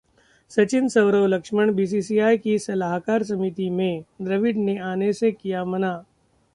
Sachin, Sourav, Laxman BCCI की सलाहकार समिति में, द्रविड़ ने आने से किया मना